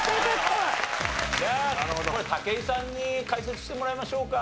じゃあこれ武井さんに解説してもらいましょうか。